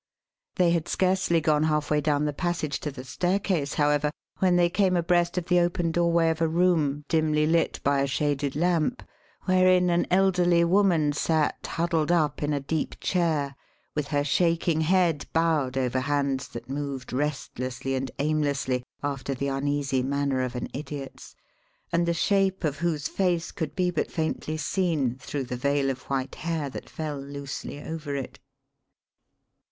They had scarcely gone halfway down the passage to the staircase, however, when they came abreast of the open doorway of a room, dimly lit by a shaded lamp, wherein an elderly woman sat huddled up in a deep chair, with her shaking head bowed over hands that moved restlessly and aimlessly after the uneasy manner of an idiot's and the shape of whose face could be but faintly seen through the veil of white hair that fell loosely over it.